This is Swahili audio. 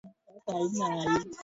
Pamoja na Shirika la Fedha Duniani